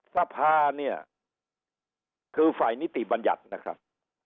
สภาเนี่ยคือฝ่ายนิติบัญญัตินะครับ